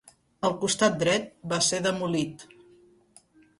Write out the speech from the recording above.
El costat dret va ser demolit.